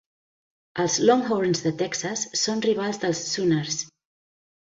Els Longhorns de Texas són rivals dels Sooners.